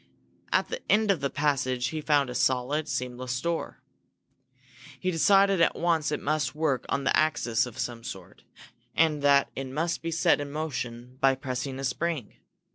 At the end of the passage he found a solid, seamless door. He decided at once it must work on an axis of some sort and that it must be set in motion by pressing a spring.